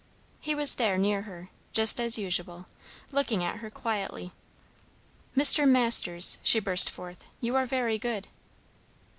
He was there near her, just as usual, looking at her quietly. "Mr. Masters," she burst forth, "you are very good!"